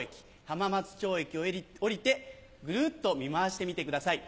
浜松町駅を降りてぐるっと見回してみてください。